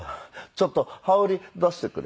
ちょっと羽織出してくれよ。